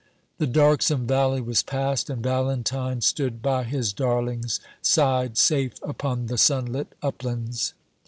The darksome valley was past, and Valentine stood by his darling's side, safe upon the sunlit uplands.